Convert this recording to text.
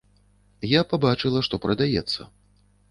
Я пабачыла, што прадаецца.